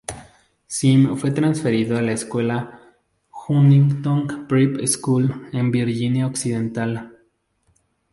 Sim fue transferido a la escuela "Huntington Prep School" en Virginia Occidental.